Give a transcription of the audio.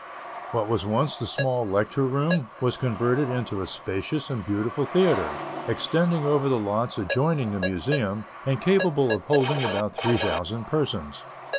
What was once the small Lecture Room was converted into a spacious and beautiful theatre, extending over the lots adjoining the Museum, and capable of holding about three thousand persons.